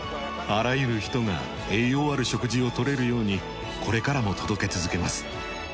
あらゆる人が栄養ある食事を取れるようにこれからも届け続けます。